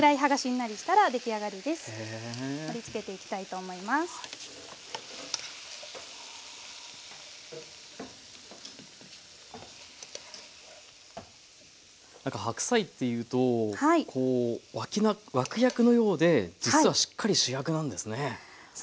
なんか白菜っていうとこう脇役のようで実はしっかり主役なんですね。